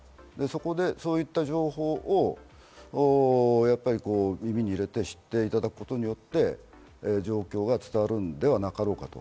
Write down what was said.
そういった情報を耳に入れて知っていただくことによって、状況が伝わるのではなかろうかと。